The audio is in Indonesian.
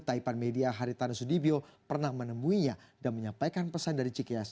taipan media haritano sudibyo pernah menemuinya dan menyampaikan pesan dari cikias